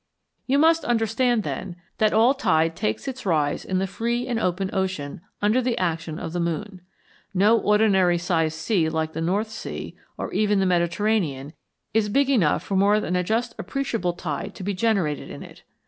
You must understand, then, that all tide takes its rise in the free and open ocean under the action of the moon. No ordinary sized sea like the North Sea, or even the Mediterranean, is big enough for more than a just appreciable tide to be generated in it.